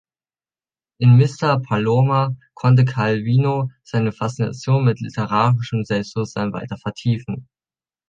In „Mr. Palomar“ konnte Calvino seine Faszination mit literarischem Selbstbewusstsein weiter vertiefen.